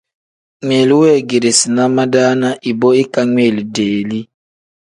Ngmiilu weegeerina madaana ibo ikangmiili deeli.